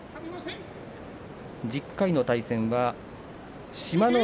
１０回の対戦は志摩ノ